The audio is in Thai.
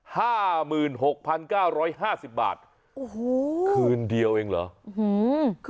ห้าหมื่นหกพันเก้าร้อยห้าสิบบาทโอ้โหคืนเดียวเองเหรอ